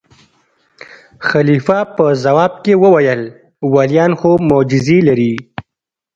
خلیفه په ځواب کې وویل: ولیان خو معجزې لري.